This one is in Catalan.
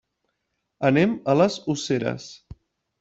Anem a les Useres.